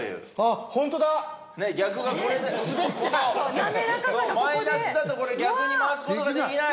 マイナスだとこれ逆に回す事ができない！